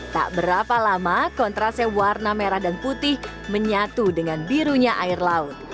tak berapa lama kontrase warna merah dan putih menyatu dengan birunya air laut